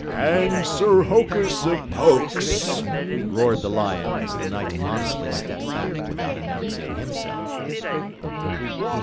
"And Sir Hokus of Pokes," roared the Lion as the Knight modestly stepped back without announcing himself.